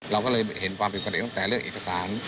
เราก็เลยเห็นความผิดปกติตั้งแต่เรื่องเอกสาร